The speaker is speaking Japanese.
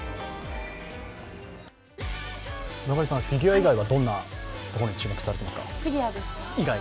フィギュア以外はどんなところに注目されていますか？